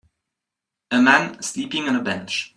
A man sleeping on a bench.